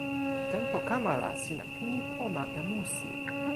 tenpo kama la sina pini pona e musi.